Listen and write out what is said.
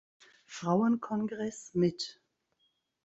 Frauenkongress mit.